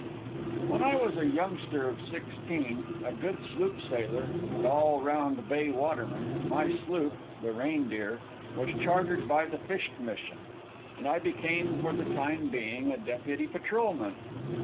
When I was a youngster of sixteen, a good sloop sailor and all round bay waterman, my sloop, the Reindeer, was chartered by the Fish Commission, and I became for the time being a deputy patrolman.